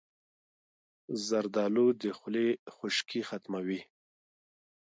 زردالو د خولې خشکي ختموي.